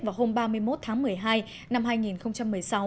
vào hôm ba mươi một tháng một mươi hai năm hai nghìn một mươi sáu